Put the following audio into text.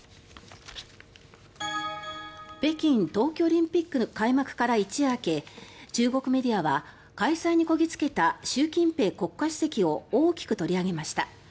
北京冬季オリンピックの開幕から一夜明け中国メディアは開催にこぎ着けた習近平国家主席を大きく取り上げました。